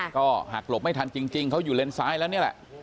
ก็หักหลบไม่ทันจริงเขาอยู่เลนซ้ายแล้วนี่แหละ